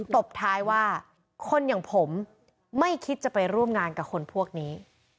ตบท้ายว่าคนอย่างผมไม่คิดจะไปร่วมงานกับคนพวกนี้